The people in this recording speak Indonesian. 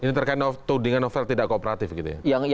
ini terkait tudingan novel tidak kooperatif gitu ya